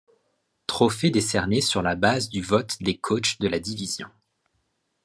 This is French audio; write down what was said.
Trophées décernés sur la base du vote des coachs de la division.